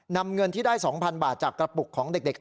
นำเงินที่ได้๒๐๐๐บาทจากกระปุกของเด็ก